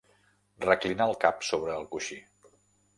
Reclinar el cap sobre el coixí.